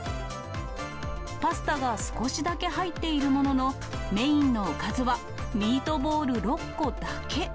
パスタが少しだけ入っているものの、メインのおかずは、ミートボール６個だけ。